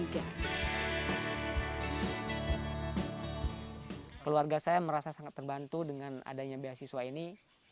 keluarga saya merasa sangat terbantu dengan adanya beasiswa ini